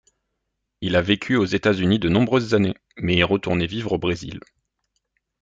Il a vécu aux États-Unis de nombreuses années, mais est retourné vivre au Brésil.